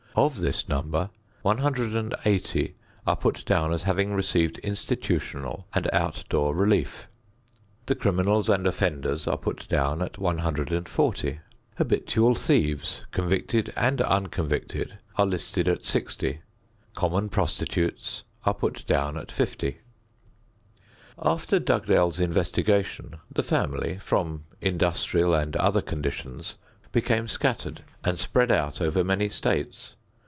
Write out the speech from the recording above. Of this number, 180 are put down as having received institutional and outdoor relief. The criminals and offenders are put down at 140. Habitual thieves convicted and unconvicted are listed at 60. Common prostitutes are put down at 50. After Dugdale's investigation the family, from industrial and other conditions, became scattered and spread out over many states.